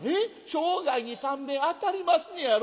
生涯に３べん当たりますねやろ。